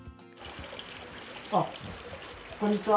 あっこんにちは。